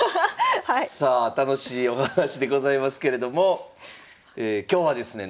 さあ楽しいお話でございますけれども今日はですね